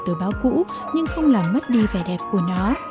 tờ báo cũ nhưng không làm mất đi vẻ đẹp của nó